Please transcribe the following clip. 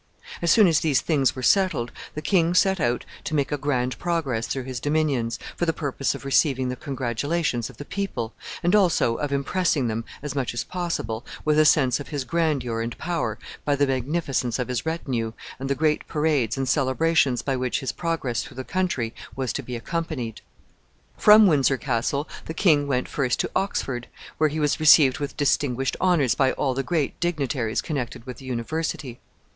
As soon as these things were settled, the king set out to make a grand progress through his dominions, for the purpose of receiving the congratulations of the people, and also of impressing them, as much as possible, with a sense of his grandeur and power by the magnificence of his retinue, and the great parades and celebrations by which his progress through the country was to be accompanied. From Windsor Castle the king went first to Oxford, where he was received with distinguished honors by all the great dignitaries connected with the University.